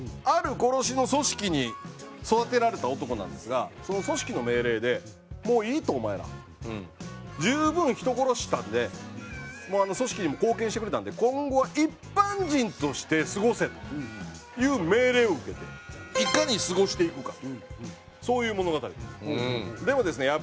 ある殺しの組織に育てられた男なんですがその組織の命令でもういいとお前ら。十分人殺したんでもう組織にも貢献してくれたんで今後は一般人として過ごせという命令を受けていかに過ごしていくかそういう物語です。